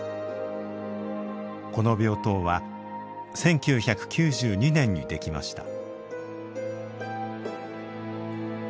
この病棟は１９９２年にできました。